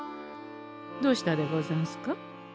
どうしたでござんすか？